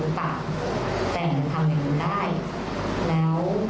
เราแหวนข้าง